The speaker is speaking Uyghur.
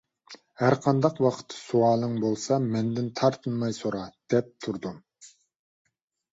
«ھەر قانداق ۋاقىتتا سوئالىڭ بولسا، مەندىن تارتىنماي سورا» دەپ تۇردۇم.